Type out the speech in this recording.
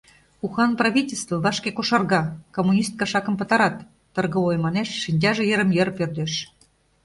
— Ухан правительство вашке кошарга... коммунист кашакым пытарат, — торговой манеш, шинчаже йырым-йыр пӧрдеш.